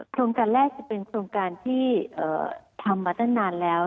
โครงการแรกจะเป็นโครงการที่ทำมาตั้งนานแล้ว